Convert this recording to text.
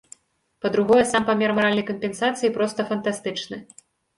Па-другое, сам памер маральнай кампенсацыі проста фантастычны.